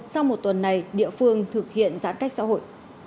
sau một tuần này địa phương thực hiện giãn cách xã hội